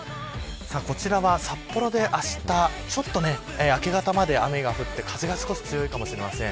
こちらは、札幌であした明け方まで雨が降って風が少し強いかもしれません。